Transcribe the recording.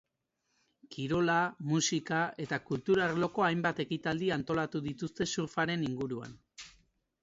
Kirola, musika eta kultura arloko hainbat ekitaldi antolatu dituzte surfaren inguruan.